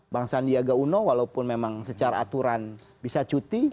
bang sandiaga uno walaupun memang secara aturan bisa cuti